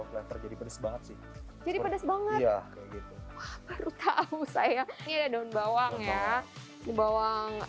flavor jadi pedes banget sih jadi pedes banget baru tahu saya ini ada daun bawang ya daun bawang